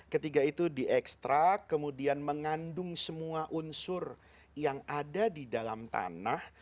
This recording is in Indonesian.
ketiga itu di ekstrak kemudian mengandung semua unsur yang ada di dalam tanah